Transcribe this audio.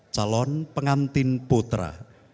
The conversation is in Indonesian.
calon pengantin putra